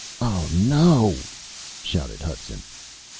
"Oh, no!" shouted Hudson.